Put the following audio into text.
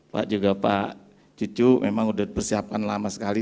pak juga pak cucu memang sudah bersiapkan lama sekali